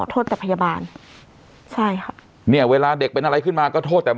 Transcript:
โทษแต่พยาบาลใช่ค่ะเนี่ยเวลาเด็กเป็นอะไรขึ้นมาก็โทษแต่